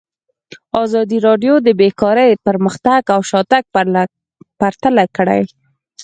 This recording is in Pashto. ازادي راډیو د بیکاري پرمختګ او شاتګ پرتله کړی.